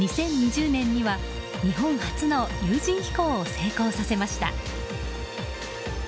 ２０２０年には日本初の有人飛行を成功させました。